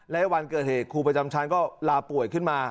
และวันเกิดเหตุครูประจำชั้นก็ลาป่วยขึ้นมา